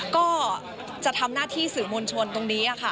ก็จะทำหน้าที่สื่อมวลชนตรงนี้ค่ะ